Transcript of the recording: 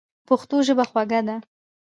پښتو ژبه خوږه ده.